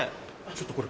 ちょっとこれ。